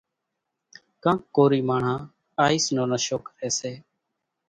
ڪانڪ ڪورِي ماڻۿان آئيس نو نشو ڪريَ سي۔